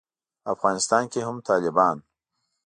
افغانستان کې هم طالبان